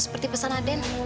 seperti pesan aden